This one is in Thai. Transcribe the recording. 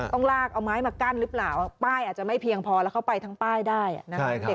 ต้องลากเอาไม้มากั้นหรือเปล่าป้ายอาจจะไม่เพียงพอแล้วเข้าไปทั้งป้ายได้นะครับ